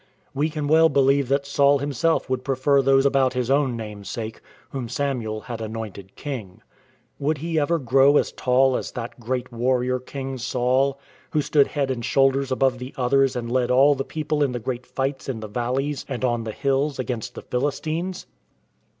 We can well believe that Saul himself would prefer those about his own namesake, whom Samuel had anointed king. Would he ever grow as tall as that great warrior king Saul who stood head and shoulders above the others and led all the people in the great fights in the valleys and on the hills against the Philistines?